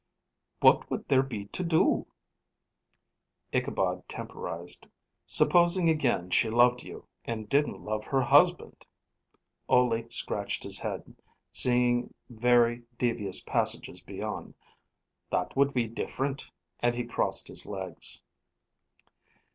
"What would there be to do?" Ichabod temporized. "Supposing again, she loved you, and didn't love her husband?" Ole scratched his head, seeing very devious passages beyond. "That would be different," and he crossed his legs.